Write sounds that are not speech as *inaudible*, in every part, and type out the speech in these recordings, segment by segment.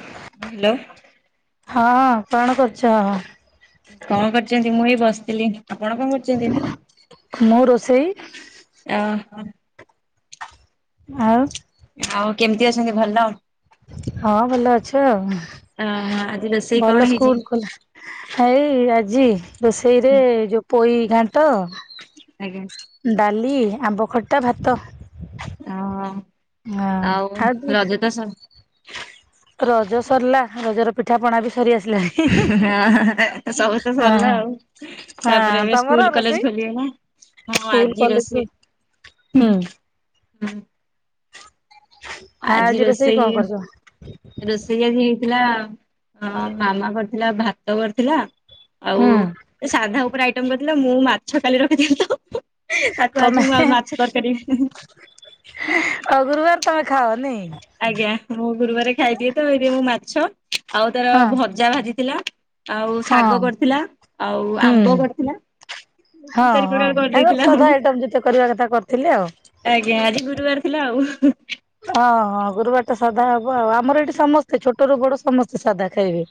ହଁ- ହାଲୋ। ହଁ କଣ କରୁଚ? କଣ କରୁଚନ୍ତି? ମୁଁ ଏଇ ବସିଥିଲି। ଆପଣ କଣ କରୁଚନ୍ତି? ମୁଁ ରୋଷେଇ ଅ- ହୋ। ଆଉ ଆଉ କେମିତି ଅଛନ୍ତି ଭଲ? ହଁ ଭଲ ଅଛୁ ଆଉ। ଅ ଆଜି ରୋଷେଇ କଣ ଭଲ ହେଇଛି? ସ୍କୁଲ୍ ଖୋଲା ହେଇ ଆଜି ରୋଷେଇରେ ଯଉ ପୋଇ ଘାଣ୍ଟ ଆଜ୍ଞା। ଡାଲି, ଆମ୍ବ ଖଟା, ଭାତ। ଓହୋ ଆଉ ରଜ ତ ସର୍ ରଜ ସରିଲା ରଜର ପିଠା ପଣା ବି ସରି ଆସିଲାଣି। ହିଁ -ହିଁ -ହାଁ -ସବୁ ତ ସରିଲା ହଁ ଆଉ ହଁ ତାପରେ ଏବେ ତମର ସ୍କୁଲ କଲେଜ୍ ରୋଷେଇ ଖୋଲିଗଲା। ହଁ ସ୍କୁଲ ଆଜି କଲେଜ ରୋଷେ ହୁଁ। ହୁଁ। ଆଜି ରୋଷେଇ ରୋଷେଇ ଆଜି ହେଇଥିଲା ଅଁ-ମାମା କରିଥିଲା ଭାତ କରିଥିଲା ଆଉ ହୁଁ ଏ ସାଧା ଉପରେ ଆଇଟମ୍ କରିଥିଲା ମୁଁ ମାଛ କାଲି ରଖିଥିଲି ତ ତାକୁ ତମେ ଆଜି ମୁଁ ଆଉ ମାଛ ତରକାରୀ ଆଉ ଗୁରୁବାର୍ ତମେ ଖାଅ ନେଇଁ? ଆଜ୍ଞା ମୁଁ ଗୁରୁବାରେ ଖାଇଦିଏ ତ ହେଇତି ପାଇଁ ମୁଁ ମାଛ ଆଉ ତାର ହଁ ଭଜା ଭାଜିଥିଲା ଆଉ ଶାଗ ହଁ କରିଥିଲା ଆଉ ହୁଁ ଆମ୍ବ କରିଥିଲା ତିନି ହଁ- ଚାରି ହଁ ପ୍ରକାର ତାଙ୍କର କରିଦେଇଥିଲା ଆଉ ସାଧା ଆଇଟମ୍ ଯେତେ କରିବା କଥା କରିଥିଲେ ଆଉ। ଆଜ୍ଞା ଆଜି ଗୁରୁବାର୍ ଥିଲା ଆଉ। ହଁ -ହଁ-‌ହଁ ଗୁରୁବାର୍ ତ ସାଧା ହବ ଆଉ ଆମର ଏଇଠି ସମସ୍ତେ ଛୋଟରୁୁ ବଡ ସମସ୍ତେ ସାଧା ଖାଇବେ।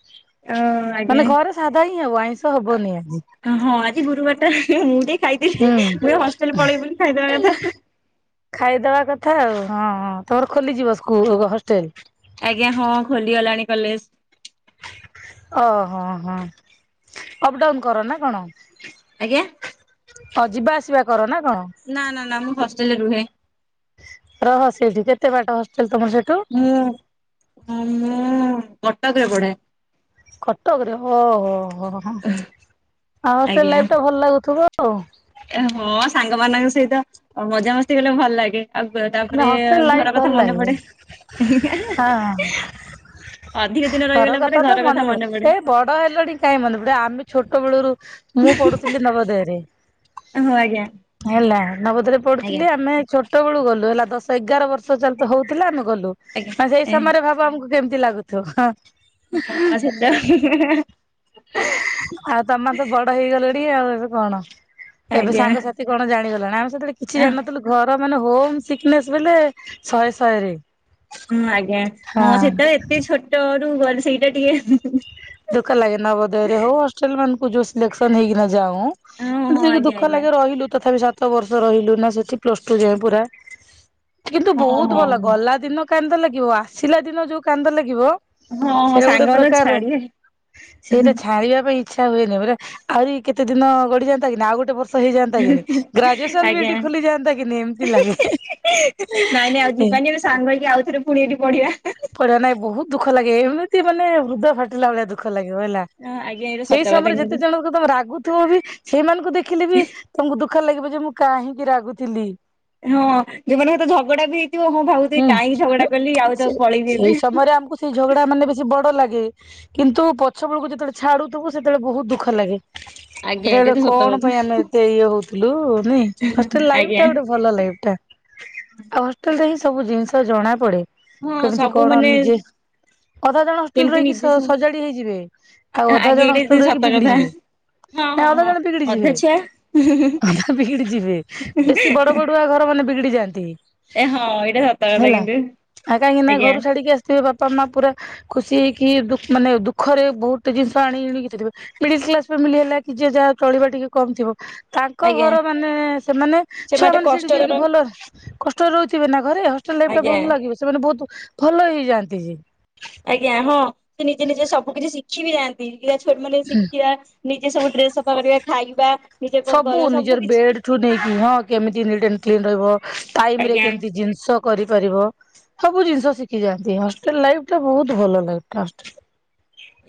ଅ ଆଜ୍ଞା। ମାନେ ଘରେ ସାଧା ହିଁ ହବ ଆଇଁଷ ହବନି ଆଜି। ହଁ ଆଜି ଗୁରୁବାର୍ ଟା ମୁଁ ଟିକେ ଖାଇଦେଲି ହୁଁ। ମୁଁ ଏ ହଷ୍ଟେଲେ ପଳେଇବି ବୋଲି ଖାଇଦବା କଥା। ଖାଇଦବା କଥା ଆଉ ହଁ- ହଁ ତମର ଖୋଲିଯିବ ସ୍କୁ -ହଷ୍ଟେଲ୍? ଆଜ୍ଞା ହଁ ଖୋଲିଗଲାଣି କଲେଜ୍। ଓହୋ- ହଁ ଅପ୍ ଡାଉନ୍ କର ନା କଣ? ଆଜ୍ଞା। ଅ- ଯିବା ଆସିବା କର ନା କଣ? ନା -ନା -ନା ମୁଁ ହଷ୍ଟେଲରେ ରୁହେ। ରହ ସେଇଠି କେତେ ବାଟା ହଷ୍ଟେଲ ତମର ସେଠୁ? ମୁଁ ମୁଁ କଟକରେ ପଢେ। କଟକରେ ଓହୋ ହୋ ହଁ ଆଉ ସେ ଆଜ୍ଞା। ଲାଇଫଟା ଭଲ ଲାଗୁଥିବ ଆଉ। ହଁ ସାଙ୍ଗମାନଙ୍କ ସହିତ ମଜାମସ୍ତି କଲେ ଭଲ ଲାଗେ। ଆଉ ନା ତାପରେ ହଷ୍ଟେଲ ଲାଇଫ ଘର ଭଲ କଥା ମନେ ଲାଗେ ପଡେ। ହଁ। ଅଧିକ ଦିନ ରହିଗଲା ପରେ ଘର କଥା ମନେ ପଡେ। ବଡ ହେଲଣି କାଇଁ ମନେପଡିବ ଆମେ ଛୋଟ ବେଳରୁ ମୁଁ ପଢୁଥିଲି ନବୋଦୟରେ ହଁ ଆଜ୍ଞା ହେଲା ନବୋଦୟରେ ଆଜ୍ଞା ପଢୁଥିଲି ଆମେ ଛୋଟ ବେଳୁ ଗଲୁ ହେଲା ଦଶ ଏଗାର ବର୍ଷ ଚାଲ ତ ହଉଥିଲା ଆମେ ଗଲୁ ଆଜ୍ଞା ମ ସେଇ ସମୟରେ ଭାବ ଆମକୁ କେମତି ଲାଗୁଥିବ ହଁ। ହଁ ସେଟା ଆଉ ତମ ତ ବଡ ହେଇଗଲଣି ଆଉ ଏବେ କଣ ଏବେ ଆଜ୍ଞା ସାଙ୍ଗସା ସେ କଣ ଜାଣିଗଲାଣି ଆମେ ସେତେବେଳେ କିଛି ଜାଣିନଥିଲୁ ଘର ମାନେ ହୋମ ସିକନେସ୍ ବେଲେ ଶହେ ଶହେରେ। ହୁଁ ଆଜ୍ଞା ହଁ ସେତେବେଳେ ଏତେ ଛୋଟ ରୁ ଗଲେ ସେଇଟା ଟିକେ ଧୋକ ଲାଗେ ନବୋଦୟରେ ହଉ ହଷ୍ଟେଲ ମାନଙ୍କୁ ଯୋଉ ସିଲେକ୍ସନ ହେଇକିନା ଯାଉଁ ହଁ ମତେ ହଁ ଟିକେ ଆଜ୍ଞା ଦୁଃଖ ଆଜ୍ଞା ଲାଗେ ରହିଲୁ ତଥାପି ସା ସାତ ବର୍ଷ ରହିଲୁ ନା ସେଠି ପ୍ଲସ ଟୁ ଯାଏ ପୁରା କିନ୍ତୁ ହଁ ବହୁତ ହଁ ଭଲ ଗଲା ଦିନ କାନ୍ଦ ଲାଗିବ ଆସିଲା ଦିନ ଯୋଉ କାନ୍ଦ ଲାଗିବ ହଁ ହଁ ସେଇଟା ଗୋଟେ ସାଙ୍ଗମାନଙ୍କୁ ପ୍ରକାର। ଛାଡିବେ ସେଇଟା ଛାଡ଼ିବା ପାଇଁ ଇଚ୍ଛା ହୁଏନି ପରା ଆହୁରି କେତେ ଦିନ ଗଡ଼ିଯାନ୍ତା କି ନା ଆଉ ଗୋଟେ ବ ତ ହେଇଯାଆନ୍ତା କିିନି ଗ୍ରାଜୁଏସନ ବି ଆଜ୍ଞା ଏଠି ଖୋଲିଯାଆନ୍ତା କିିନି ଏମତି ଲାଗେ। ନାଇଁ ନାଇଁ ଆଉ ଯିବାନି ଏବେ ସାଙ୍ଗ ହେକି ଆଉ ଥରେ ପୁଣି ଏଠି ପଢିବା। ପଢ଼ା ନାଇ ବହୁତ ଦୁଃଖ ଲାଗେ ଏମିତି ମାନେ ହୃଦୟ ଫାଟିଲା ଭଳିଆ ଦୁଃଖ ଲାଗିବ ହେଲା ଆଜ୍ଞା ଏଇଟା ସତ ସେଇ କଥା ସମୟରେ କିନ୍ତୁ ଯେତେ ଜଣ ତମେ ରାଗୁଥିବ ବି ସେଇମାନଙ୍କୁ ଦେଖିଲି ବି ତମକୁ ଦୁଃଖ ଲାଗିବ ଯେ ମୁଁ କାହିଁକି ରାଗୁଥିଲି। ହଁ ଯୋଉମାନଙ୍କ ସହିତ ଝଗଡା ବି ହେଇଥିବ ହଁ ଭାବୁଥିବି ହୁଁ କାହିଁକି ଝଗଡା କଲି ଆଉ ତ ସେ ପଳେଇବି ସେଇ ଏବେ। ସମୟରେ ଆମକୁ ସେଇ ଝଗଡା ମାନେ ବେଶୀ ବଡ ଲାଗେ କିନ୍ତୁ ପଛ ବେଳକୁ ଯେତେବେଳେ ଛାଡୁଥିବୁ ସେତେବେଳେ ବହୁତ ଦୁଃଖ ଲାଗେ। ଆଜ୍ଞା ଏଇଟା ଏଇଟା ଗୋଟେ ତ ସତ କଣ କଥା ପାଇଁ ଆମେ ଏତେ ଇଏ ହଉଥିଲୁାଇ ଆଜ୍ଞା। ଲାଇଟା ଗୋଟେ ଭଲ ଲାଗ ଟା ଆଉ ହଷ୍ଟେଲ ରେ ହିଁ ସବୁ ଜିନିଷ ଜଣା ପଡେ ହଁ କେମିତି ସବୁ କଣ ମାନେ ନିଜେ ଅଧା ଜଣ ହଷ୍ଟେଲରେ କେମିତି ରହିକି ନିଜେ ସବୁ ସଜାଡି ହେଇଯିବେ ଆଉ ଅଧା ଆଜ୍ଞା ଜଣ ଏଇଟା ତ ହଷ୍ଟେଲ ସତ ରହିକି କଥା। ବିଗିଡ଼ିଯିବେ ହଁ ନା ହଁ ଅଧା ହଁ ଜଣେ ବିଗିଡି ଅଧା ଯିବେ ଛୁଆ ଅଧା ବିଗିଡି ଯିବେ ବେଶୀ ବଡ ବଡ ପଆ ଘର ମାନେ ବିଗିଡି ଯାଆନ୍ତି ଏ ହଁ ଏଇଟା କଥା ହେଲା କିନ୍ତୁ ଆଉ କାହିଁକି ନା ଆଜ୍ଞା। ଘରୁ ଛାଡିକି ଆସିଥିବେ ବାପା ମା ପୁରା ଖୁସି ହେଇକି ଦ ମାନେ ଦୁଃଖରେ ବହୁତ ଜିନିଷ ଆଣି ଆଣିଥିବେ ମିଡିଲ କ୍ସ ମିିଲଳି ହେଲା କି ଯଏ ଯାହା ଚଳିବା ଟିକେ କମ ଥିବ ତାଙ୍କ ଆଜ୍ଞା ଘର ମାନେ ସେମାନେ ଛୁଆ ସେମାନେ ମାନେ ସେଇଠି କଷ୍ଟରେ ଯାଇକି ରହି ଭଲ କଷ୍ଟରେ ରହୁଥିବେ ନା ଘରେ ହଷ୍ଟେଲ ଲାଇଫ ଟା ଆଜ୍ଞା ଭଲ ଲାଗିବ ସେମାନେ ବହୁତ ଭଲ ହେଇଯାଆନ୍ତି ଯେ ଆଜ୍ଞା ହଁ ସେ ନିଜେ ନିଜେ ସବୁ କିଛି ଶିଖି ବି ଯାଆନ୍ତି ଛୋଟ ମାନେ ଶିଖିବା ନିଜେ ସବୁ ଡ୍ରେସ ଅପ୍ କରିବା ଖାଇବା ନିଜେ କଣ ସବୁ କରିବା ନିଜର କିଛି ବେଡ ଠୁ ନେଇକି ହଁ କେମତି ନିଟ୍ ଆଣ୍ଡ କ୍ଲିନ ରହିବ ଟାଇମ ରେ ଆଜ୍ଞା। କେମିତି ଜିନିଷ କରିପାରିବ ସବୁ ଜିନିଷ ଶିଖି ଯାଆନ୍ତି ହଷ୍ଟେଲ ଲାଇଫ ଟା ବହୁତ ଭଲ ଲାଇଫ ଟା ହେଲ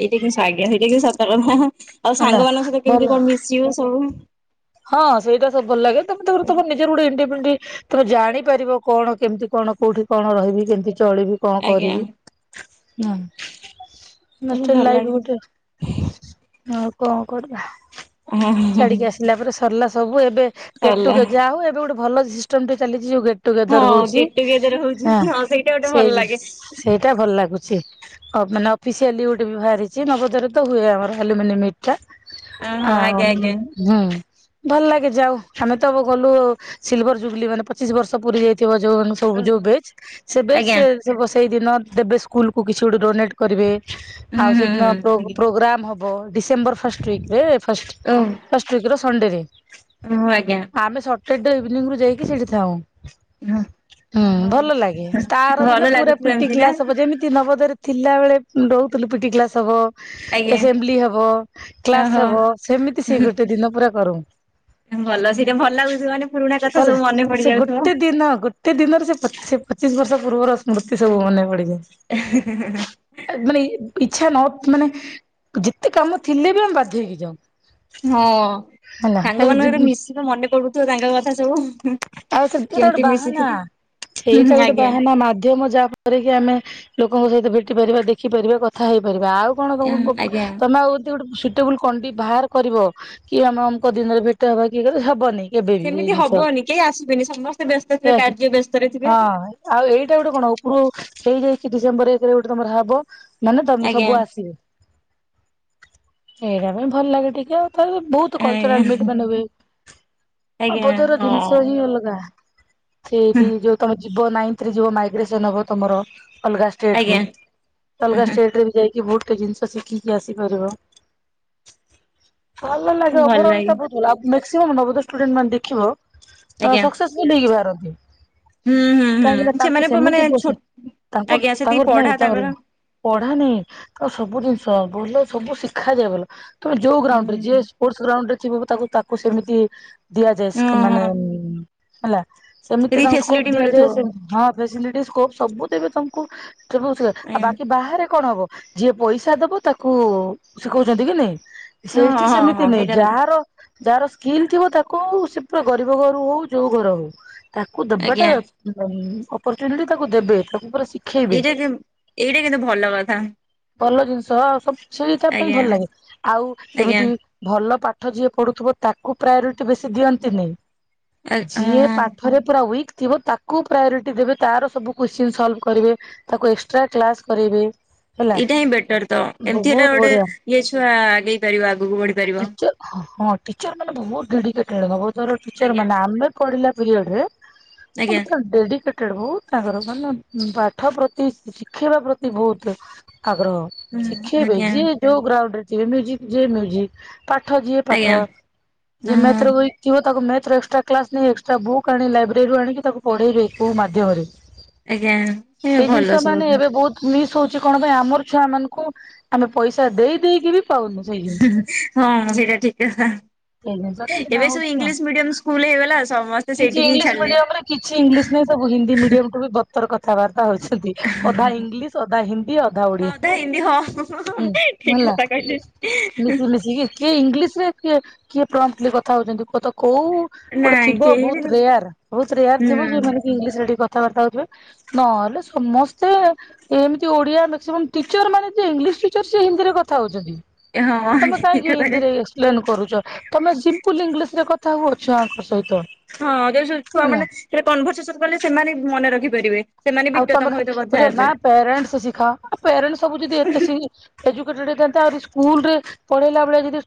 ଏଇଟା କି ସ୍ଵାଗ୍ତ ସେଇଟା କି ସତର୍କତା ଆଉ ହେଲା ସାଙ୍ଗମାନଙ୍କ ସହିତ କେମିତି ଭଲ କଣ ମିଶିବ ସବୁ ହଁ ସେଇଟା ସ ଭ ଲାଗେ ତମେ ତମ ନିଜର ଗୋଟେଇଣ୍ଡି ତମ ଜାଣିପାରିବ କଣ କେମିତି କଣ କୋଉଠି କଣ ରହିବି କେମିତି ଚଳିବି କଣ ଆଜ୍ଞା କରିବି ଏମିତି ଭଲ ହଁଷ୍ଟାଇ ଲାଗେ ଗୋଟେ ଆଉ କଣ କରିବା ହଁ ଛାଡିକି ଆସିଲା ପରେ ସରିଲା ସବୁ ଏବେ ଗେଟୁ ସରିଲା ଯାହା ହଉ ଏବେ ଗୋଟେ ଭଲ ସିଷ୍ଟମ ଟେ ଚାଲିଛି ଯୋଉ ଟୁଗେଦର ହଁ ହଉଛିଁ ଗେଟ୍ ଟୁଗେଦର ହଉଛି ହଁ ସେଇଟା ଗୋଟେ ଭଲ ଲାଗେ ସେ ଟା ଭଲ ଲାଗୁଛି ମାନେ ଅଫିସିଆଲିଟେ ବି ବାହାରିଛି ନବଦରେ ତ ହୁଏ ଆମର ଆଲୁମିନିୟମ୍ ତ ଅ ଆ ହଁ ଆଜ୍ଞା ଆଜ୍ଞା ହୁଁ। ଭଲ ଲାଗେ ଯାଉ ଆମେ ତ ଗଲୁ ସିଲଭର ଜୁବଲି ମାନେ ପଚିଶ ବର୍ଷ ପୁରି ଯାଇଥିବ ଯୋଉଁ ସବୁ ଯୋଉଁ ବ୍ୟାଚ ସେ ବ୍ୟାଚ ଆଜ୍ଞା ସେ ସେଇ ଦିନ ଦେବେ ସ୍କୁଲକୁୁ କିଛି ଗୋଟେ ଡୋନେଟ କରିବେ ହୁଁ ଆଉ ସେଦିନ ହୁଁ ହୁଁ ପ୍ରୋଗ୍ରାମ ହବ ଡିସେମ୍ବର ଫାଷ୍ଟ ୱିକ ରେ ଫଷ୍ଟ *unintelligible* ଫାଷ୍ଟ ୱିକ୍ ର ସଣ୍ଡେ ରେ। ହୁ ଆଜ୍ଞା। ଆମେ ସଟରଡେ ଇଭିନିଂରୁୁ ଯାଇକି ସେଠି ଥାଉ। ହଁ ହୁଁ ହଁ ଭଲ ଲାଗେ ତାର ଦିନ ଭଲ ପୁରା ଲାଗୁଥିବ ଏମିତି ନା ପିଟିକଲାସ ହବ ଯେମିତି ନବଦୟ ରେ ଥିଲା ବେଳେ ରହୁଥିଲୁ ପିଟି କ୍ଲାସ ହବ। ଆଜ୍ଞା ଏସେମ୍ବଲି ହବ ଓହୋ କ୍ଲାସ ହବ ସେମିତି ସେ ଗୋଟେ ଦିନ ପୁରା କରୁ ଭଲ ସେଇଟା ଭଲ ଲାଗୁଥିବ ମାନେ ପୁରୁଣା କଥା ହେଲା ସବୁ ମନେ ପଡିଯାଉଥିବ। *unintelligible* ସେ ଦିନରେ ସେ ପଚିଶ ବର୍ଷ ପୂର୍ବର ସ୍ମୃତି ସବୁ ମନେ ପଡିଯାଏ। ଜ ମାନେ ଇଚ୍ଛା ନ ମାନେ ଯେତେ କାମ ଥିଲେ ବି ଆମେ ବାଧ୍ୟ ହେଇକି ଯାଉ। ହଁ ହେଲା ସାଙ୍ଗ କାଇଁ ମାନଙ୍କ ଯିବି ମିଶିକି ମନେ କରୁଥିବ ତାଙ୍କ କଥା ସବୁ ଆଉ ସେ ଗୋଟେ କେମିତି ବାହାନା ମିଶିଥିଲୁ ହୁଁ ସେଇଟା ହୁଁ ଗୋଟେ ଆଜ୍ଞା ବାହାନା ମାଧ୍ୟମ ଯାହା ଆମେ ଲୋକଙ୍କ ସହିତ ଭେଟି ପାରିବା ଦେଖିପାରିବା କଥା ହେଇପାରିବା ଆଉ କଣ ଆଁ ତମ ଆଜ୍ଞା। ତମେ ଆଉ ଗୋଟେ ଟେବଲ କଣ୍ ବାହାର କରିବ କି ଆମେ ଆମ ଦିନରେ ଭେଟ ହବା କିଏ ହେବନି କେବେ ବିି ସେମିତି ସେଇ ଜିନିଷ ହବନି କେହି ଆସିବେନି ସମସ୍ତେ ବ୍ୟସ୍ତ ଥିବେ ହଁ କାର୍ଯ୍ୟ ବ୍ୟସ୍ତ ରେଥିବେ ଆଉ ଏଇଟା ଗୋଟେ କଣ ଉପରୁ ହେଇଯାଇକି ଡିସେମ୍ବର ଏଇ ଗୋଟେ ତମର ହବ ମାନ ତମେ ଆଜ୍ଞା। ସବୁ ଆସିବ ଏଇଟା ପାଇଁ ଭଲ ଲାଗେ ଟିକେ ଆଉ ତ ବହୁତ ଆଜ୍ଞା କଲଚରାଲ ମି ମାନେ ହୁଏ ଆଜ୍ଞା ଆବୋଧର ଜିନ ହଁ ସେଠି ଯୋଉ ତମ ଯିବ ନାଇନରେ ଯ ମାଇଗ୍ରେସନ ହବ ତମର ଅଲଗା ଷ୍ଟେଟ କୁ ଆଜ୍ଞା। ଅଲଗା ଷ୍ଟେଟ ରେ ବି ଯାଇକି ବହୁତ ଜିନିଷ ଶିଖିକି ଆସିପାରିବ, ଭଲ ଲାଗିବ ଭଲ ଓଭରାଲ ଲାଗେ ଟା ମାକ୍ସିମମ ନୋବଦୋୟ ଷ୍ଟୁଡେଣ୍ଟ ମାନେ ଦେଖିବ ଆଜ୍ଞା ସକ୍ସେସଫୁଲ ହେଇକି ବାହାରନ୍ତି। ହୁଁ ହୁଁ କାହିଁକି ହୁଁ ତାଙ୍କୁ ସେମାନେ ପ ମାନେ ସେମିତି ପଛେ ଛୋ ତାଙ୍କୁ ଆଜ୍ଞା ସେତିକି ତାଙ୍କ ନାଇଁ ପଢା ତା ତାଙ୍କର ପଢ଼ା ନାଇଁ ତାଙ୍କୁ ସବୁ ଜିନିଷ ଭଲ ସବୁ ଶିଖାଯାଏ ଭଲ। ତମେ ଯୋଉ ଉଁ ଗ୍ରାଉଣ୍ଡ ରେ ଯିଏ ସ୍ପୋର୍ଟସ ଗ୍ରାଉଣ୍ଡ ରେ ଥିବ ତାକୁ ତାକୁ ସେମିତି ଦିଆଯାଏ। ହଁ ମାନେ ହଁ ହେଲା ସେମିତି ସେତିକି ତାଙ୍କୁ ସ୍କୋପ ଫେସିଲିଟି ଦିଆଯାଏ ମିଳୁଥିବ ସେମିତି ହଁ। ସେମିତି ସ୍କୋପ ସବୁ ଦେବେ ତମକୁ ଆଜ୍ଞା ବାକି ବାହାରେ କଣ ହବ ଯିଏ ପଇସା ଦବ ତାକୁ ସେ କହୁଛନ୍ତି କି ନାଇଁ? ସେଇଠି ହଁ ହଁ ସେମିତି ହଁ ନାହିଁ ସେଇଟା ସତ ଯାହାର ଯାହାର ସ୍କିଲ୍ ଥିବ ତାକୁ ସେ ପୁରା ଗରିବ ଘରୁ ହଉ ଯୋଉ ଘର ହଉ ତାକୁ ଆଜ୍ଞା ଦେବାଟା ଅପରଚୁନିଟି ତାକୁ ଦେବେ ତାକୁ ପୁରା ଶିଖେଇବେ ଏଇଟା ଏଇଟା କିନ୍ତୁ ଭଲ କଥା। ଭଲ ଜିନିଷ ଆଉ ସବୁ ସେଇ ତା ପାଇଁ ଆଜ୍ଞା ଭଲ ଲାଗେ ଆଉ ଆଜ୍ଞା ଏମିତି ଭଲ ପାଠ ଯିଏ ପଢ଼ୁଥିବ ତାକୁ ପ୍ରାୟୋରିଟି ବେଶୀ ଦିଅନ୍ତିନି? ଆ ଯିଏ ହଁ। ପାଠରେ ପୁରା ୱିକ୍ ଥିବ ତାକୁ ପ୍ରାୟୋରିଟି ଦେବେ ତାର ସବୁ କୁଶ୍ଚିନ୍ ସଲ୍ଭ କରିବେ। ତାକୁ ଏକ୍ସଟ୍ରା କ୍ଲାସ କରେଇବେ। ହେଲା ଏଇଟା ହିଁ ବେଟର ତ ଏମିତି ହେଲା ବହୁତ ଗୋଟେ ବଢିଆ ଇଏ ଛୁଆ ଆଗେଇ ପାରିବ ଆଗକୁ ବଢ଼ି ପାରିବ। ଟିଚର ହଁ ଟିଚର ମାନେ ବହୁତ ଡେଡିକେଟେଡ୍ ଆଜ୍ଞା ମାନେ ଆମେ ପଢ଼ିଲା ପିରିଅଡ଼ ରେ ଆଜ୍ଞା ହଁ ଡେଡିକେଟେଡ୍। ସେଟା ବହୁତ ଆଗ୍ରହ ମାନେ ପାଠ ପ୍ରତି ଶିଖିବା ପ୍ରତି ବହୁତ ଆଗ୍ରହ। ହୁଁ ଶିଖେଇବେ ଆଜ୍ଞା ଯିଏ ଯୋଉ ଗ୍ରାଉଣ୍ଡରେ ଥିବେ ମ୍ୟୁଜିକ ଯିଏ ମ୍ୟୁଜିକ। ପାଠ ଯିଏ ଆଜ୍ଞା ପାଠ ଯେ ହଁ ହଁ ମ୍ୟାଥରେ ୱିକ୍ ଥିବ ତାକୁ ମ୍ୟାଥ ର ଏକ୍ସଟ୍ରା କ୍ଲାସ ନେଇ ଏକ୍ସଟ୍ରା ବୁକ୍ ଆଣ ଲାଇବ୍ରେରିରୁ ଆଣିକି ତାକୁ ପଢ଼େଇବେ କୋଉ ମାଧ୍ୟମରେ। ଆଜ୍ଞା। ଏ ଏଇ ଭଲ ଜିନିଷ ସବୁ ମାନେ ଏବେ ବହୁତ ମିସ୍ ହଉଛି କଣ ପାଇଁ ଆମର ଛୁଆ ମାନଙ୍କୁ ଆମେ ପଇସା ଦେଇ ଦେଇକି ବି ପାଉନୁ। ସେଇ ଜିନିଷ ହଁ ସେଇଟା ଠିକ କଥା ସେଇ ଜିନିଷଟା ଏବେ ସେଇଟା ସବୁ ହଉଛି ଆଉ। ଇଂଲିଶ ମିଡିୟମ ସ୍କୁଲ ହେଇଗଲା। ସମସ୍ତେ। କିଛି ସେଇଠିକି ହିଁ ଇଂଲିଶ ଛାଡିଲେ। ମିଡିୟମ ରେ କିଛି ଇଂଲିଶ ନାଇଁ ସବୁ ହିନ୍ଦୀ ମିଡିୟମଠୁ ବି ବତର କଥାବାର୍ତ୍ତା ହଉଛନ୍ତି। ଅଧା ଇଂଲିଶ ଅଧା ହିନ୍ଦୀ ଅଧା ହଁ ଓଡ଼ିଆ ହିନ୍ଦୀ ହଁ ହଁ ଠିକ ହେଲା। କଥା କହିଲେ। ମିଶି ମିଶିକି କିଏ ଇଂଲିଶ ରେ କିଏ କିଏ ପ୍ରମ୍ପଟ୍ଲିକଥା ହଉଛନ୍ତି କୁ ତ କୋଉ ନାଇଁ। ହ କେହି ବି ବହୁତ ରେୟାର ବହୁତ ରେୟାର ହୁଁ ଥିବ ଯଉମାନେ ଇଂଲିଶ ରେ ଟିକେ କଥାବାର୍ତା ହଉଥିବେ। ନହେଲେ ସମସ୍ତେ ଏମିତି ଓଡ଼ିଆ ମାକ୍ସିମମ୍ ଟିଚର ମାନେ ଯିଏ ଇଂଲିଶ ଟିଚର ସେ ହିନ୍ଦୀ ରେ କଥା ହଉଛନ୍ତି। ହଁ ତମେ ଠିକ କାହିଁକି କଥା ହିନ୍ଦୀ କହିଲେ। ରେ କରୁଛ ତମେ ସିମ୍ପଲ ଇଂଲିଶ ରେ କଥା ହୁଅ ଛୁଆଙ୍କ ସହିତ। ହଁ ଯୁ ଛୁଆ ହେଲା। ମାନେ ସେ କନଭରସେସନ କଲେ ସେମାନେ ମନେ ରଖିପାରିବେ। ସେମାନେ ବି ଆଉ ତମ ତମେ ସହିତ ଖାଲି କଥା ହେବେ। ପ୍ୟାରେଣ୍ଟ ଶିଖା ପ୍ୟାରେଣ୍ଟ ସବୁ ଯଦି ଏତେ ଶିଖେ ଏଜୁକେଟେଡ ହେଇଥାନ୍ତା ଆହୁରି ସ୍କୁଲ ରେ ପଢ଼େଇଲା ବେଳେ ଯଦି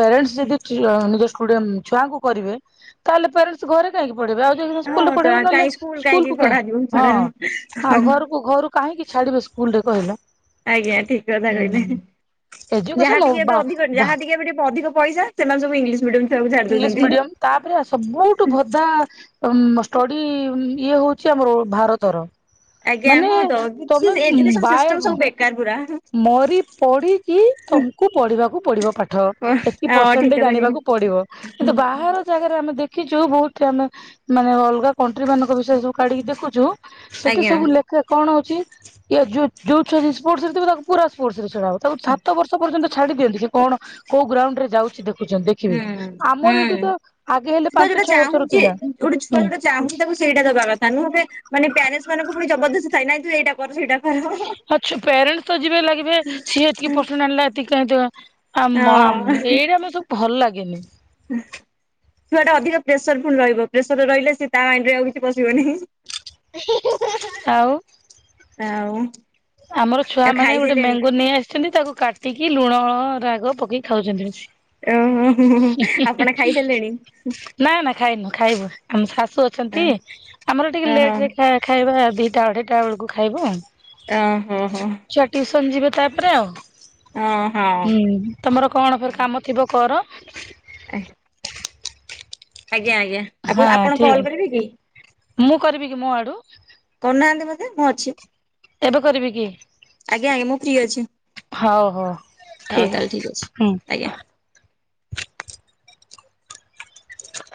ପ୍ୟାରେଣ୍ଟସ୍ ଯଦି ନିଜ ଛୁଆଙ୍କୁ କରିବେ ତାହେଲେ ପ୍ୟାରେଣ୍ଟସ୍ ଘରେ କାହିଁକି ପଢ଼େଇବେ ଆଉ ଯଦି ହଁ ସ୍କୁଲରେ ତ ପଢ଼େଇବେ କାହିଁ ନହେଲେ ସ୍କୁଲ କାହିଁକି ପଢାଯିବ ହଁ ଛଡା ଆଉ ଘରକୁ ଘରୁ କାହିଁକି ଛାଡିବେ ସ୍କୁଲ ରେ କହିଲ? ଆଜ୍ଞା ଠିକ କଥା ହୁଁ କହିଲେ ଯାହା ଏଜୁକେସନ ଟିକେ ଏବେ ବା ଅଧିକ ବା ଯାହା ଟିକେ ଏବେ ଟିକେ ଅଧିକ ପଇସା ସେମାନେ ସବୁ ଇଂଲିଶ ମି ଇଂଲିଶ ମିଡ଼ିୟମ୍। ତାପରେ ସବୁଠୁ ବଧା ଷ୍ଟଡି ଇଏ ହଉଛି ଆମର ଭାରତର। ଆଜ୍ଞା ମାନେ ହଁ ତ କି ତମେ ଏଜୁକେସନ ବାଏ ସିଷ୍ଟମ ସବୁ ବେକାର ପୁରା। ମରି ପଢ଼ିକି ତମକୁ ପଢ଼ିବାକୁ ପଡ଼ିବ ପାଠ। ଏତକି ହଁ ଠିକ ପରସେଣ୍ଟେଜ କଥା କହିଲେ ଆଣିବାକୁ ପଡିବ କିନ୍ତୁ ବାହାର ବହୁତ୍ ଜାଗାରେ ଆମେ ଦେଖିଛୁ ବହୁତ ଆମେ ମାନେ ଅଲଗା କଣ୍ଟ୍ରି ମାନଙ୍କ ବିଷୟ ସବୁ କାଢିକି ଦେଖୁଛୁ। ସେଠି ଆଜ୍ଞା ସବୁ ଲେଖେ କଣ ହଉଛି ଯଉ ଯୋଉ ଛୁଆ ସ୍ପୋର୍ଟସରେ ଥିବ ତାକୁ ପୁରା ସ୍ପୋର୍ଟସରେ ଛଡା ହବ। ତାକୁ ସାତ ବର୍ଷ ପର୍ଯ୍ୟନ୍ତ ଛାଡି ଦିଅନ୍ତି କି କଣ କୋଉ ଗ୍ରାଉଣ୍ଡରେ ଯାଉଛି ଦେଖୁଛନ୍ତି। ଦେଖିବ ହୁଁ ଆମର ଏଇଠୁ ହୁଁ। ତ ଆଗେ ହେଲେ ଛୁଆ ଯୋଉଟା ପାଞ୍ଚ ଛଅ ବର୍ଷର ଚାହୁଁଛି ପିଲା। ଗୋଟେ ଛୁଆ ଯୋଉଟା ଚାହୁଁଛି ତାକୁ ସେଇଟା ଦବା କଥା ନୁହଁ ଏବେ ମାନେ ପ୍ୟାରେଣ୍ଟ ମାନଙ୍କୁ ପୁଣି ଜବରଦସ୍ ଏ ନାଇ ତୁ ଏଇଟା କର ସେଇଟା। କର। ଆଛ ପ୍ୟାରେଣ୍ଟସ ତ ଯିବେ ଲାଗିବେ ସିଏ ଏତିକି ପର୍ସେଣ୍ଟ ଆଣିଲା ଏତିକି କାହିଁ। ଆମ ହଁ। ଆମ ଏଇଟା ଆମେ ସବୁ ଭଲ ଲାଗେନି। ଛୁଆଟା ଅଧିକ ପ୍ରେସର ଫୁଲ ରହିବ, ପ୍ରେସର ରହିଲେ ସ ସେ ତା ମାଇଣ୍ଡରେ ଆଉ କିଛି ପଶିବନି। ଆଉ। ଆଉ। ଆମର ଛୁଆ ଆଉ ମାନେ ଗୋଟେ ଖାଇସାରିଲେଣି ମ୍ୟାଙ୍ଗୋ ନେଇ ଆସିଛନ୍ତି ତାକୁ କାଟି କାଟିକି ଲୁଣ ରାଗ ପକେଇ ଖାଉଛନ୍ତି। ଓ ହ ଆପଣ ଖାଇ ସାରିଲେଣି। ନା ନା ଖାଇନୁ ଖାଇବୁ ଆମ ଶାଶୁ ଅଛନ୍ତି ଆମର ଟିକେ ଓହୋ ଲେଟରେ ଖା ଖାଇବା ଦିଇଟା ଅଢ଼େଇଟା ବେଳକୁ ଖାଇବ। ଅ ହ ହଁ। ଛୁଆ ଟିଉସନ ଯିବେ ତାପରେ ଆଉ ଓହୋ ହୁଁ। ତମର କଣ ଫେରେ କାମ ଥିବ କର। *inaudible* ଆଜ୍ଞା ଆଜ୍ଞା। ହଁ ଆପଣ ଆପଣ କଲ୍ କରିବେ କି ଠିକ ମୁଁ କରିବି କି ମୋ ଆଡୁ। କରୁନାହାନ୍ତି ମତେ ମୁଁ ଅଛି। ଏବେ କରିବି କି ଆଜ୍ଞା ଆଜ୍ଞା ମୁଁ ଫ୍ରି ଅଛି। ହଉ ହଉ ହଉ ତାହେଲେ ଠିକ ଅଛି ହୁଁ। ଆଜ୍ଞା।